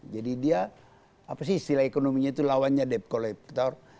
jadi dia apa sih istilah ekonominya itu lawannya debt collector